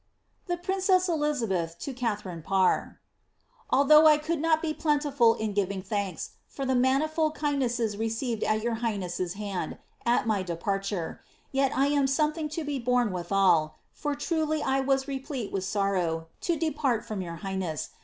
''ThS PEINCni EuiAUTH TO KlTRAaiKS Paee.' ''.\Itbough I could not be plentiful in giving thanks, for the manifbld kind Be^jes received at your highness's band, at my departure, yet I am something to be borne widial, for truly I was replete with sorrow to depart from your high nesd.